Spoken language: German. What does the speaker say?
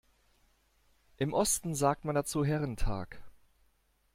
Im Osten sagt man dazu Herrentag.